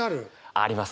あります。